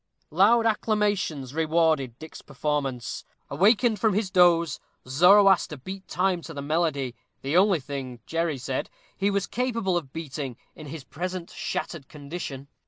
Loud acclamations rewarded Dick's performance. Awakened from his doze, Zoroaster beat time to the melody, the only thing, Jerry said, he was capable of beating in his present shattered condition.